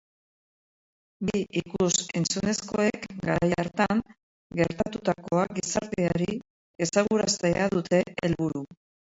Bi ikus-entzunezkoek garai hartan gertatutakoa gizarteari ezagutaraztea dute helburu.